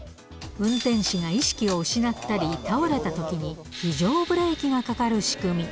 運転士が意識を失ったり、倒れたときに、非常ブレーキがかかる仕組み。